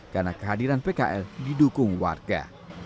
karena kehadiran pkl didukung warga